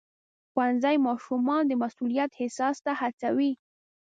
ښوونځی ماشومان د مسؤلیت احساس ته هڅوي.